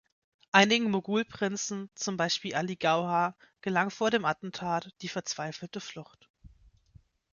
Einigen Mogulprinzen, z.B. Ali Gauhar, gelang vor dem Attentat die verzweifelte Flucht.